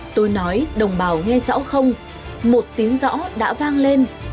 tôi nói đồng bào nghe rõ không một tiếng rõ đã vang lên